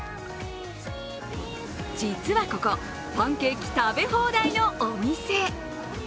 実はここ、パンケーキ食べ放題のお店。